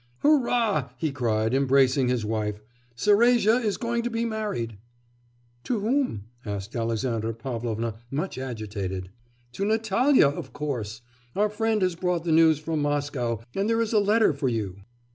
'Hurrah!' he cried, embracing his wife, 'Serezha is going to be married.' 'To whom?' asked Alexandra Pavlovna, much agitated. 'To Natalya, of course. Our friend has brought the news from Moscow, and there is a letter for you.